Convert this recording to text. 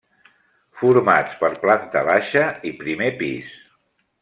Formats per planta baixa i primer pis.